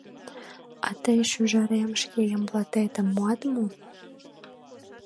А тый, шӱжарем, шке Ямблатетым муат мо?..»